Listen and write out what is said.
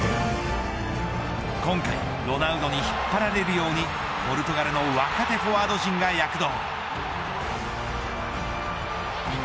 今回ロナウドに引っ張られるようにポルトガルの若手フォワード陣が躍動。